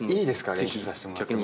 練習させてもらっても。